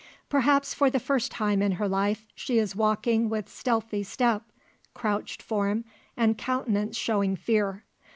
Perhaps, for the first time in her life she is walking with stealthy step, crouched form, and countenance showing fear.